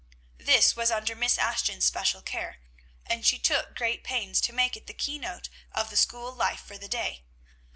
This was under Miss Ashton's special care, and she took great pains to make it the keynote of the school life for the day.